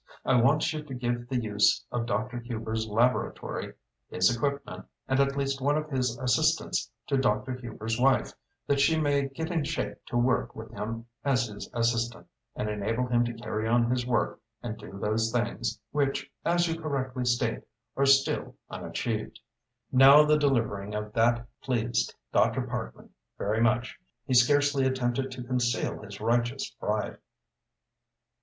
I want you to give the use of Dr. Hubers' laboratory, his equipment and at least one of his assistants, to Dr. Hubers' wife, that she may get in shape to work with him as his assistant, and enable him to carry on his work and do those things, which, as you correctly state, are still unachieved." Now the delivering of that pleased Dr. Parkman very much. He scarcely attempted to conceal his righteous pride.